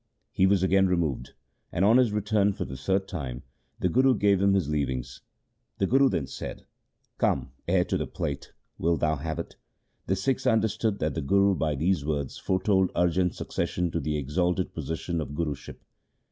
He was again re moved, and on his return for the third time the Guru gave him his leavings. The Guru then said, ' Come, heir to the plate, wilt thou have it ?' The Sikhs understood that the Guru, by these words, foretold Arjan's succession to the exalted position of Guruship.